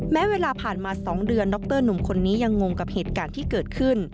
แม้เวลาผ่านมา๒เดือนดรหนุ่มคนนี้ยังงงกับเหตุการณ์ที่เกิดขึ้น